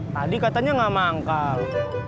tadi katanya gak manggal